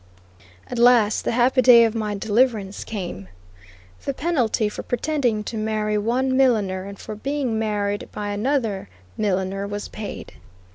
At last the happy day of my deliverance came. The penalty for pretending to marry one milliner and for being married by another milliner was paid.